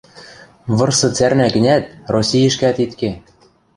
– Вырсы цӓрнӓ гӹнят, Российӹшкӓт ит ке...